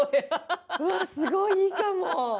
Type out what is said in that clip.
すごいいいかも！